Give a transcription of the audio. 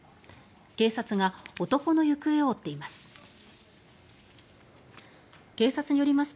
警察が男の行方を追っています。